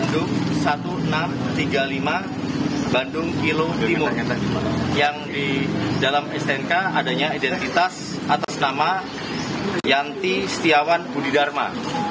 bandung seribu enam ratus tiga puluh lima bandung kilo timur yang di dalam stnk adanya identitas atas nama yanti setiawan budi dharma